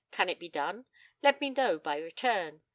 Can it be done? Let me know by return.